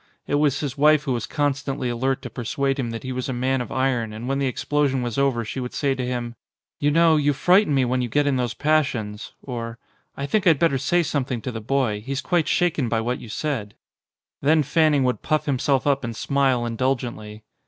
It was his wife who was constantly alert to persuade him that he was a man of iron and when the explosion was over she would say to him : "You know, you frighten me when you get in those passions," or "I think I'd better say some thing to the boy, he's quite shaken by what you said." 125 ON A CHINESE SCEEEN Then Fanning would puff himself up and smile indulgently.